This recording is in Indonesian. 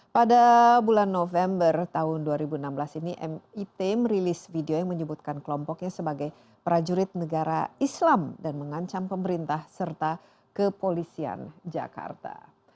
pada bulan november tahun dua ribu enam belas ini mit merilis video yang menyebutkan kelompoknya sebagai prajurit negara islam dan mengancam pemerintah serta kepolisian jakarta